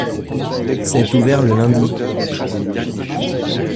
C’est ouvert le lundi.